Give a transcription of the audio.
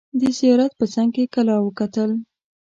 د زیارت په څنګ کې کلا وکتل.